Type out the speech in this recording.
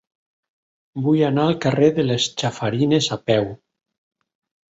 Vull anar al carrer de les Chafarinas a peu.